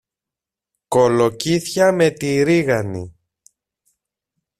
Κολοκύθια με τη ρίγανη!